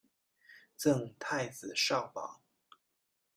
赠太子少保。